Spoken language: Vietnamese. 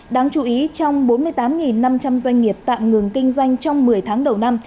đáng chú ý trong bốn mươi tám năm trăm linh doanh nghiệp tạm ngừng kinh doanh trong một mươi tháng đầu năm